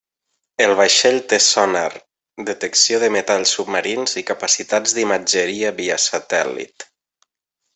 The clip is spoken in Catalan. El vaixell té sonar, detecció de metalls submarins i capacitats d'imatgeria via satèl·lit.